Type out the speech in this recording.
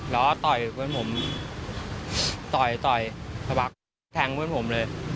แล้วก็ต่อยเพื่อนผมต่อยต่อยสะบักแทงเพื่อนผมเลย